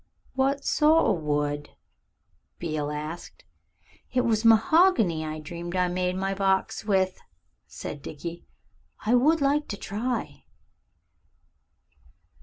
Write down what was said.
"What sort o' wood?" Beale asked. "It was mahogany I dreamed I made my box with," said Dickie. "I would like to try."